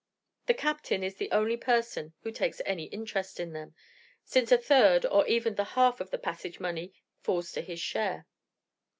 The captain is the only person who takes any interest in them, since a third or even the half of the passage money falls to his share.